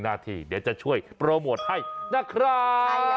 นาทีเดี๋ยวจะช่วยโปรโมทให้นะครับ